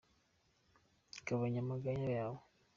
Gabanya amaganya yawe.